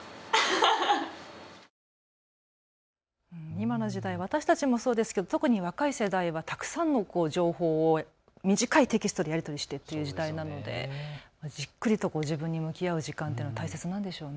今の時代、私たちもそうですけど特に若い世代はたくさんの情報を短いテキストでやり取りしてという時代なのでじっくりと自分に向き合う時間って大切なんでしょうね。